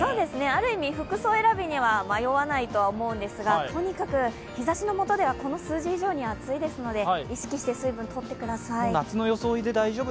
ある意味、服装選びには迷わないと思うんですが、とにかく日ざしのもとではこの数字以上に暑いですので意識して水分をとってください。